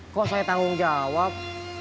kok saya tanggung jawab